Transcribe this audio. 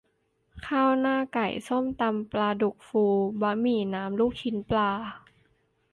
ข้าวหน้าไก่ ส้มตำปลาดุกฟู บะหมี่น้ำลูกชิ้นปลา